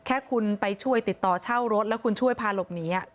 แค่คุณไปช่วยติดต่อเช่ารถแล้วคุณช่วยพาหลบหนี